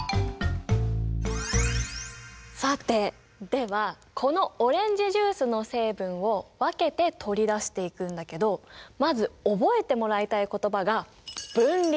さてではこのオレンジジュースの成分を分けて取り出していくんだけどまず覚えてもらいたい言葉が「分離」。